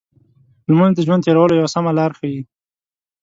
لمونځ د ژوند تېرولو یو سمه لار ښيي.